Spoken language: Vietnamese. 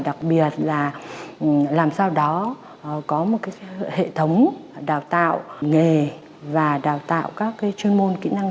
đặc biệt là làm sao đó có một hệ thống đào tạo nghề và đào tạo các chuyên môn kỹ năng